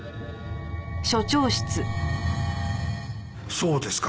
そうですか。